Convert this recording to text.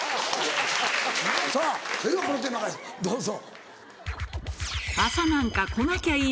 さぁそれではこのテーマからですどうぞ。